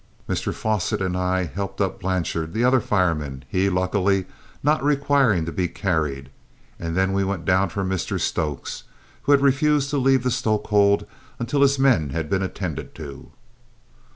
Mr Fosset and I helped up Blanchard, the other fireman, he, luckily, not requiring to be carried; and we then went down for Mr Stokes, who had refused to leave the stoke hold until his men had been attended to.